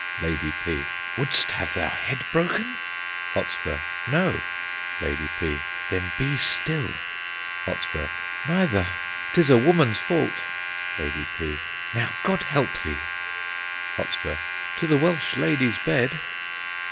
Lady P. Wouldst have thy head broken? Hot. No. Lady P. Then be still. Hot. Neither: 'tis a woman's fault. Lady P. Now God help thee! Hot. To the Welsh lady's bed.